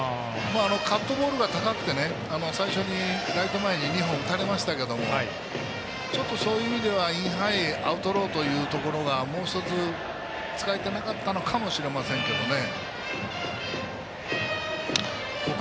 カットボールが高くて最初にライト前に２本打たれましたけどちょっと、そういう意味ではインハイ、アウトローというところがもう１つ使えてなかったのかもしれませんけどね。